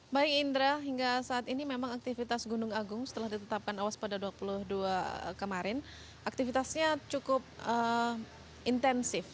baik indra hingga saat ini memang aktivitas gunung agung setelah ditetapkan awas pada dua puluh dua kemarin aktivitasnya cukup intensif